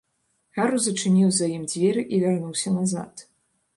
Гарус зачыніў за ім дзверы і вярнуўся назад.